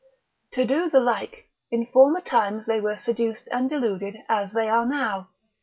To do the like, in former times they were seduced and deluded as they are now.